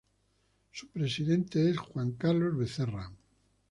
Su presidente es Juan Carlos Becerra.